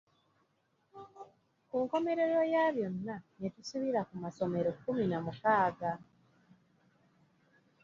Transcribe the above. Ku nkomerero ya byonna ne tusibira ku masomero kkumi na mukaaga.